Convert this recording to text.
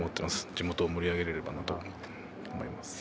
地元を盛り上げられればなと思います。